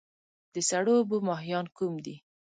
د سړو اوبو ماهیان کوم دي؟